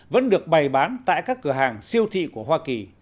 vẫn được bày bán tại các cửa hàng siêu thị của hoa kỳ